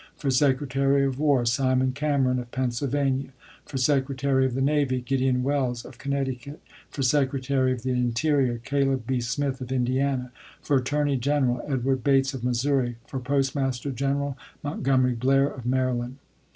For Secretary of War, Simon Cameron, of Pennsylvania. For Secretary of the Navy, Gideon Welles, of Connecticut. For Secretary of the Interior, Caleb B. Smith, of Indiana. For Attorney General, Edward Bates, of Missouri. For Postmaster General, Montgomery Blah*, of Maryland.